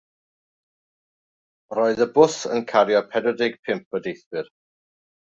Roedd y bws yn cario pedwar deg pump o deithwyr.